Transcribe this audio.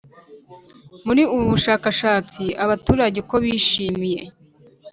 Muri ubu bushakashatsi abaturage uko bishimiye